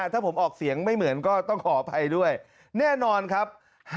ถ้าผมออกเสียงไม่เหมือนก็ต้องขออภัยด้วยแน่นอนครับ